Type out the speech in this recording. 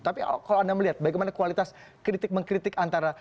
tapi kalau anda melihat bagaimana kualitas kritik mengkritik antara